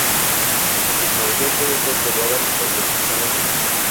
La tecnología puede ser probada pero las personas no".